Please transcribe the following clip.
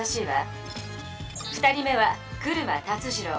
２人目は車辰二郎。